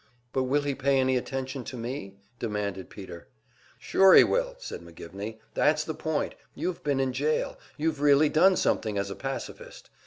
"But will he pay any attention to me?" demanded Peter. "Sure, he will," said McGivney. "That's the point you've been in jail, you've really done something as a pacifist.